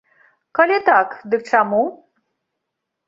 Калі так, дык чаму?